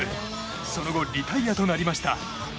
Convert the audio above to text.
その後リタイアとなりました。